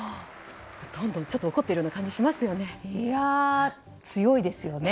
ちょっと怒っているような感じがしますよね。